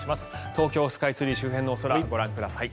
東京スカイツリー周辺のお空ご覧ください。